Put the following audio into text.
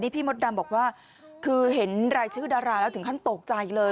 พี่มดดำบอกว่าคือเห็นรายชื่อดาราแล้วถึงขั้นตกใจเลย